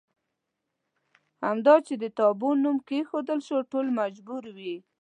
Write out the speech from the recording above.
همدا چې د تابو نوم کېښودل شو ټول مجبور وي.